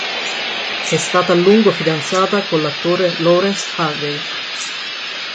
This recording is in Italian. È stata a lungo fidanzata con l'attore Laurence Harvey.